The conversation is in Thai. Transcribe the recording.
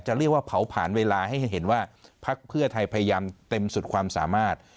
เรียกว่าเผาผ่านเวลาให้เห็นว่าพักเพื่อไทยพยายามเต็มสุดความสามารถ